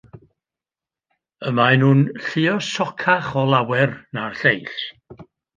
Y mae'n nhw'n lluosocach o lawer na'r lleill.